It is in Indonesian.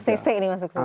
acc ini masuk surga